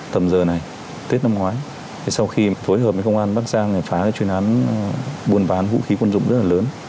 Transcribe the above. tầm giờ này tết năm ngoái thì sau khi phối hợp với công an bắc giang thì phá cái chuyến án buôn bán vũ khí quân dụng rất là lớn